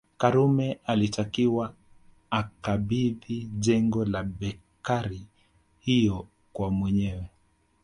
Karume alitakiwa akabidhi jengo la bekari hiyo kwa mwenyewe